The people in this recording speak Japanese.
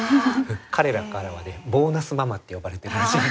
彼らからはねボーナスママって呼ばれてるらしいですけれど。